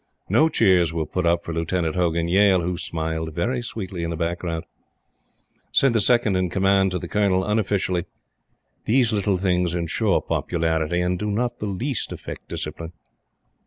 No cheers were put up for Lieutenant Hogan Yale, who smiled very sweetly in the background. Said the Second in Command to the Colonel, unofficially: "These little things ensure popularity, and do not the least affect discipline."